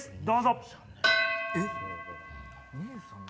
どうぞ。